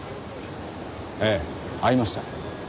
ええ会いました。